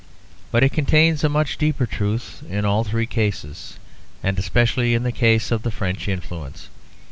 But it contains a much deeper truth in all three cases, and especially in the case of the French influence.